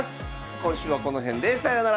今週はこの辺でさよなら。